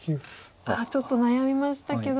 ちょっと悩みましたけど。